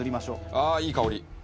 ああいい香り。